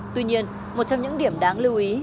tuy nhiên một trong những điểm đáng lưu ý